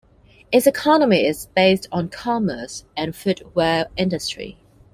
Its economy is based on commerce and footwear industry.